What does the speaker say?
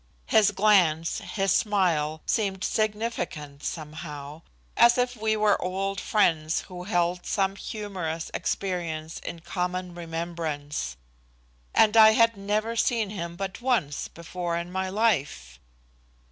His glance, his smile, seemed significant somehow, as if we were old friends who held some humorous experience in common remembrance. And I had never seen him but once before in my life.